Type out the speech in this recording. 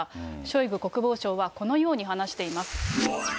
ショイグ国防相はこのように話しています。